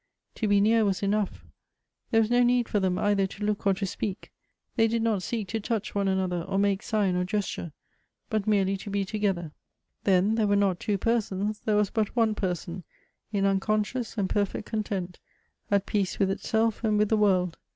To be near was enough ; there was no need for them either to look or to speak : they did not seek to touch one another, or make sign or gesture, but merely to be to gether. Then there were not two persons, there was but one person in unconscious and perfect content, at peace with itself and with the world.